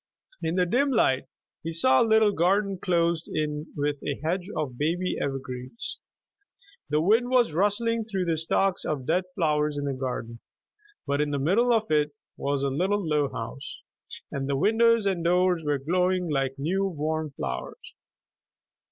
In the dim light he saw a little garden closed in with a hedge of baby evergreens. The wind was rustling through the stalks of dead flowers in the garden. But in the middle of it was a little low house, and the windows and doors were glowing like new, warm flowers.